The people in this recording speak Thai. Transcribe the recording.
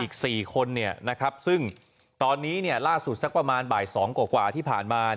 อีก๔คนซึ่งตอนนี้ล่าสุดสักประมาณบ่าย๒กว่าที่ผ่านมา